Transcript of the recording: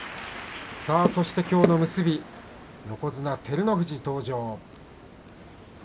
さあ、そしてきょうの結び横綱照ノ富士登場。